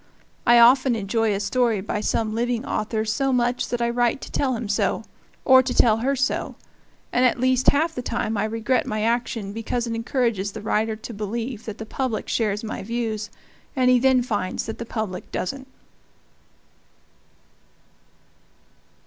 I often enjoy a story by some living author so much that I write to tell him so or to tell her so; and at least half the time I regret my action, because it encourages the writer to believe that the public shares my views, and he then finds that the public doesn't.